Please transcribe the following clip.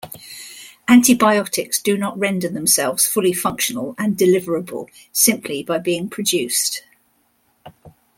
Antibiotics do not render themselves fully functional and deliverable simply by being produced.